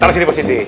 taruh sini pak siti